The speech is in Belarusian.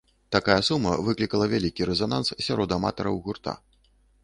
Такая сума выклікала вялікі рэзананс сярод аматараў гурта.